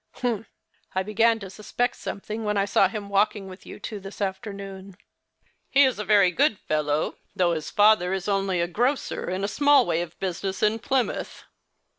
"Humph; I began to suspect something when I saw him walking with you two this utternoon. He is a very good fellow, though his father is only a grocer in a small way of business in Plymouth.